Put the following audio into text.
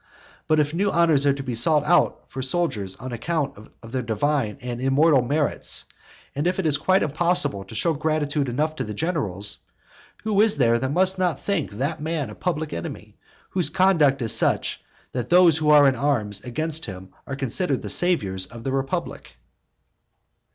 But if new honours are to be sought out for the soldiers on account of their divine and immortal merits, and if it is quite impossible to show gratitude enough to the generals, who is there who must not think that man a public enemy, whose conduct is such that those who are in arms against him are considered the saviours of the republic?